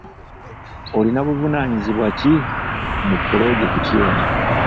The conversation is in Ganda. Olina buvunaanyizibwa ki mu pulojekiti eno?